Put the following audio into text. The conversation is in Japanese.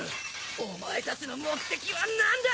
お前たちの目的は何だ？